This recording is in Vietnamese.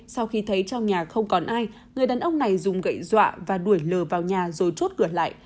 sau khi thấy trong nhà không còn ai người đàn ông này dùng gậy dọa và đuổi lờ vào nhà rồi chốt cửa lại